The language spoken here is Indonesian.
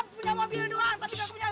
punya mobil doang tapi enggak punya sim